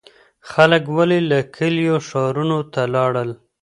خلګ ولي له کلیو ښارونو ته لاړل؟